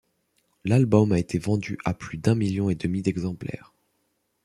L'album a été vendu à plus d'un million et demi d'exemplaires.